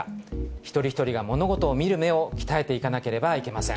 一人一人が物事を見る目を鍛えていかなければなりません。